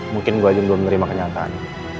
mungkin gua juga belum terima kenyataan